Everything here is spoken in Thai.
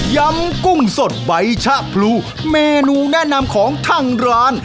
ำกุ้งสดใบชะพลูเมนูแนะนำของทางร้าน